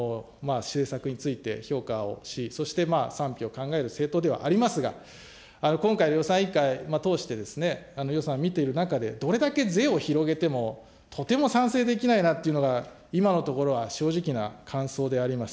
是々非々で与党の政策について評価をし、そして賛否を考える政党ではありますが、今回の予算委員会通して、予算見ている中で、どれだけ是を広げても、とても賛成できないなというのが、今のところは正直な感想であります。